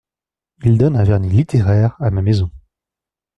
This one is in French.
Il donne un vernis littéraire à ma maison…